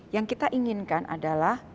yang kita inginkan adalah